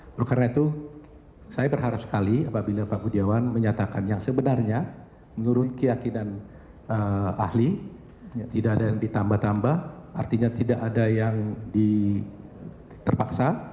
oleh karena itu saya berharap sekali apabila pak budiawan menyatakan yang sebenarnya menurut keyakinan ahli tidak ada yang ditambah tambah artinya tidak ada yang terpaksa